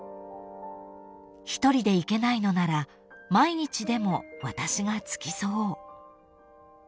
［一人で行けないのなら毎日でも私が付き添おう］